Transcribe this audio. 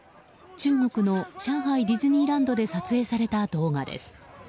中国の上海ディズニーランドで撮影された動画です。